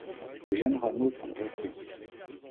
Les jeunes rameaux sont dressés.